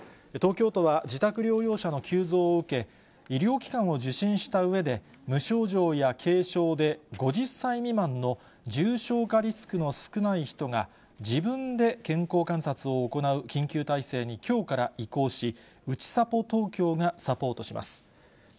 東京都は自宅療養者の急増を受け、医療機関を受診したうえで、無症状や軽症で、５０歳未満の重症化リスクの少ない人が、自分で健康観察を行う緊急体制にきょうから移行し、うちさぽ東京がサポートします。